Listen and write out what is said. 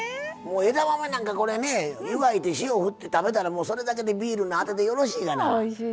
枝豆なんか湯がいて塩振って、食べたら、それだけでビールのアテでよろしいがな。